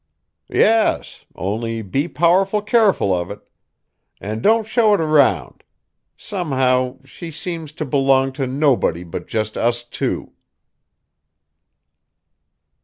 "Yes, only be powerful careful o' it. An' don't show it round. Somehow she seems to belong to nobody but jest us two."